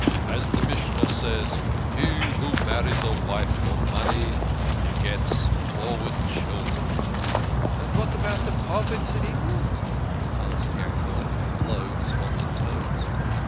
As the Mishnah says, ' He who marries a wife for money begets froward children.' "" And vat about de province in England ?" asked Yankele", in low, despondent tones.